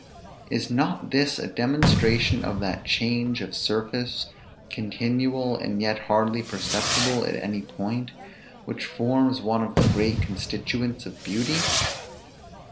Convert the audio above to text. Is not this a demonstration of that change of surface, continual, and yet hardly perceptible at any point, which forms one of the great constituents of beauty?